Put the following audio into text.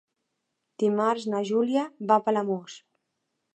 Dimarts na Júlia va a Palamós.